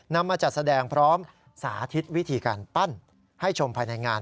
นำมาจัดแสดงพร้อมสาธิตวิธีการปั้นให้ชมภายในงาน